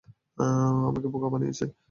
আমাকে বোকা বানিয়েছো?